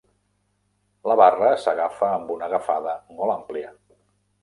La barra s'agafa amb una agafada molt àmplia.